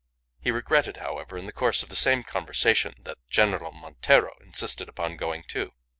He regretted, however, in the course of the same conversation, that General Montero insisted upon going, too.